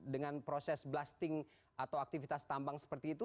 dengan proses blasting atau aktivitas tambang seperti itu